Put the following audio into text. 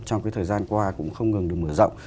trong cái thời gian qua cũng không ngừng được mở rộng